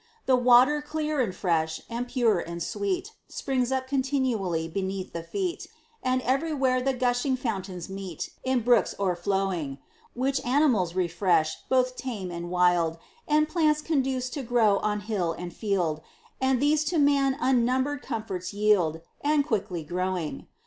The Water clear and fresh, and pure and sweet, Springs up continually beneath the feet, And everywhere the gushing fountains meet, In brooks o'erflowing, Which animals refresh, both tame and wild; And plants conduce to grow on hill and field; And these to man unnumbered comforts yield, And quickly growing.